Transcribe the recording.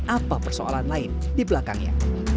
apa persoalan lain di belakangnya